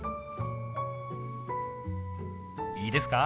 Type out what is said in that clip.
いいですか？